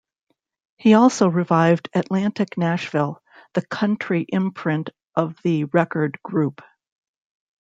He also revived Atlantic Nashville, the country imprint of the record group.